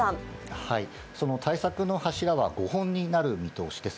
その対策の柱は５本になる見通しです。